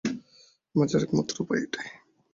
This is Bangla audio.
বাঁচার একমাত্র উপায় এটাই!